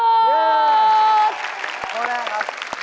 โทษนะครับ